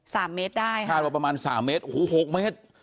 สามเมตรได้ค่ะคาดว่าประมาณสามเมตรโอ้โหหกเมตร